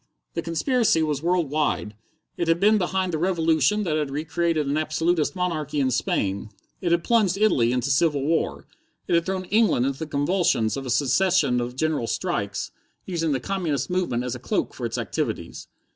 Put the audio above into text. The conspiracy was world wide. It had been behind the revolution that had recreated an absolutist monarchy in Spain. It had plunged Italy into civil war. It had thrown England into the convulsions of a succession of general strikes, using the communist movement as a cloak for its activities.